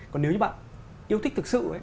còn nếu như bạn yêu thích thực sự ấy